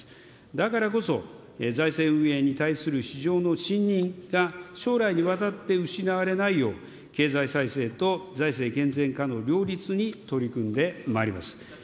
だからこそ、財政運営に対する市場の信認が将来にわたって失われないよう、経済再生と財政健全化の両立に取り組んでまいります。